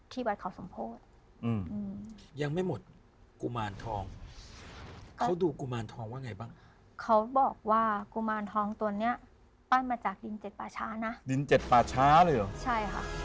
วัดเขาสมโพธิอืมยังไม่หมดกุมารทองเขาดูกุมารทองว่าไงบ้างเขาบอกว่ากุมารทองตัวเนี้ยปั้นมาจากดินเจ็ดป่าช้านะดินเจ็ดป่าช้าเลยเหรอใช่ค่ะ